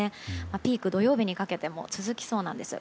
ピークは土曜日にかけても続きそうなんです。